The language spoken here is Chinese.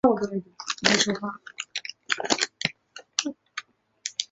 后由杨可芳接任。